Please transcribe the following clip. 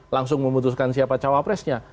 langsung memutuskan siapa cawapresnya